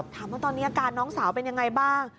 ถามว่าตอนนี้อาการน้องสาวเป็นยังไงบ้าง